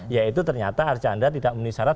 yaitu ternyata arcanda tidak memenuhi syarat